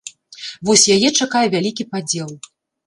Вось яе чакае вялікі падзел.